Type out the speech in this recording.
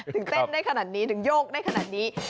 ถึงเต้นได้ขนาดนี้ถึงโยกได้ขนาดนี้